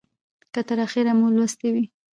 که تر اخیره مو لوستې وي